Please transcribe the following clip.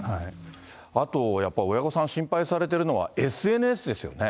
あと、やっぱり親御さん、心配されてるのは、ＳＮＳですよね。